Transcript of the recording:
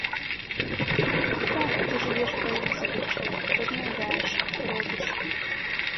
Так, ты жывеш па іх звычаях, размаўляеш, робіш.